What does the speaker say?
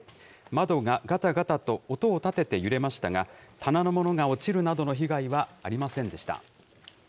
窓ががたがたと音を立てて揺れましたが、棚の物が落ちるなどの被害はありませんでした。